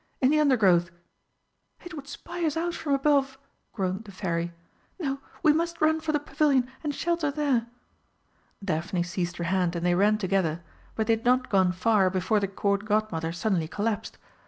In the undergrowth!" "It would spy us out from above," groaned the Fairy. "No, we must run for the Pavilion and shelter there." Daphne seized her hand and they ran together, but they had not gone far before the Court Godmother suddenly collapsed.